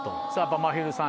まひるさん